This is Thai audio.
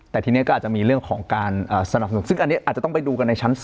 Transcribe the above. แต่ทีนี้ก็อาจจะมีเรื่องของการสนับสนุนซึ่งอันนี้อาจจะต้องไปดูกันในชั้น๒